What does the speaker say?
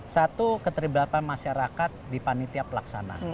satu keteribatan masyarakat dipanitia pelaksana